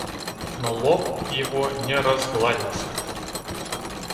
Но лоб его не разгладился.